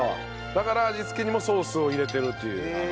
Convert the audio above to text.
だから味付けにもソースを入れてるという。